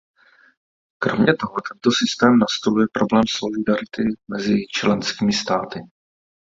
Kromě toho tento systém nastoluje problém solidarity mezi členskými státy.